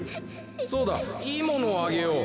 そうだいいものをあげよう。